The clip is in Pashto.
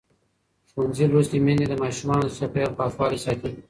ښوونځې لوستې میندې د ماشومانو د چاپېریال پاکوالي ساتي.